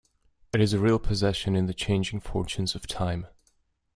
It is a real possession in the changing fortunes of time.